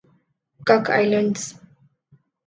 Cook Islands